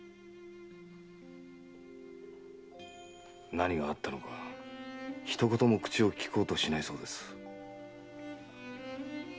何があったのか一言も口を利こうとしないそうです。